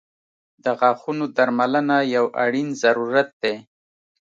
• د غاښونو درملنه یو اړین ضرورت دی.